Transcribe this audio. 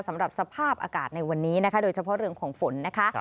สำหรับสภาพอากาศในวันนี้นะคะโดยเฉพาะเรื่องของฝนนะคะ